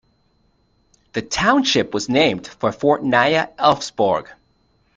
The township was named for Fort Nya Elfsborg.